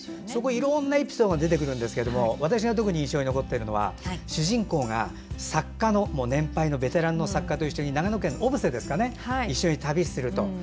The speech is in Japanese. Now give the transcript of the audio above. いろんなエピソードが出てくるんですが私が特に印象に残っているのは主人公が年配のベテラン作家と一緒に長野県の小布施を一緒に旅をすると。